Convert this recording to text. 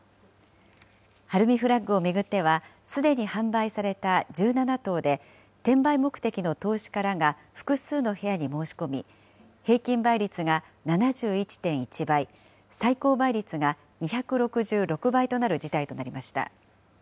晴海フラッグを巡ってはすでに販売された１７棟で、転売目的の投資家らが複数の部屋に申し込み、平均倍率が７１．１倍、最高倍率が２６６倍となる事態となりました。